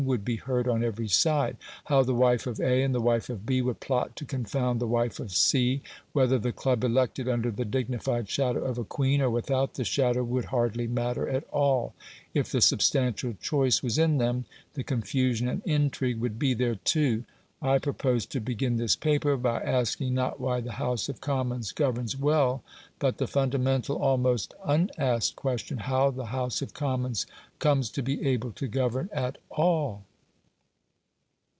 would be heard on every side. How the wife of A. and the wife of B. would plot to confound the wife of C. Whether the club elected under the dignified shadow of a queen, or without the shadow, would hardly matter at all; if the substantial choice was in them, the confusion and intrigue would be there too. I propose to begin this paper by asking, not why the House of Commons governs well? but the fundamental almost unasked question how the House of Commons comes to be able to govern at all?